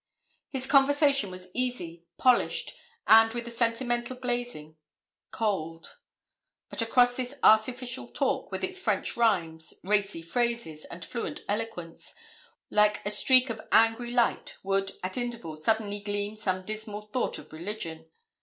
His conversation was easy, polished, and, with a sentimental glazing, cold; but across this artificial talk, with its French rhymes, racy phrases, and fluent eloquence, like a streak of angry light, would, at intervals, suddenly gleam some dismal thought of religion.